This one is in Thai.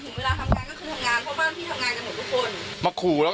ถึงเวลาทำงานก็กินทำงานเพราะบ้านพี่ทำงานกันหมดทุกคน